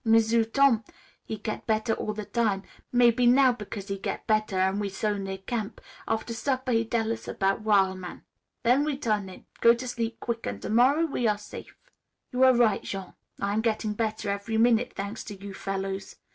M'sieu' Tom he get better all the time. Mebbe now because he get better an' we so near camp, after supper he tell about wil' man. Then we turn in; go to sleep quick, an' to morrow we are safe." "You are right, Jean. I am getting better every minute, thanks to you fellows.